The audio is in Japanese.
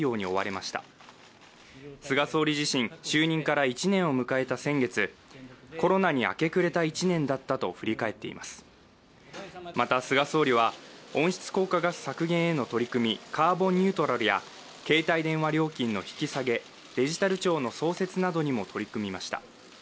また、菅総理は温室効果ガス削減への取り組み、カーボンニュートラルや携帯電話料金の引き下げデジタル庁の創設などにも取り組みました。